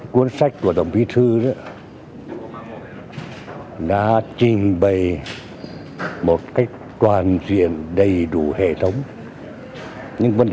cuốn sách của tổng bí thư đã trình bày một cách toàn diện đầy đủ hệ thống